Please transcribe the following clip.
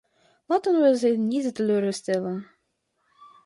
Laten we ze niet teleurstellen!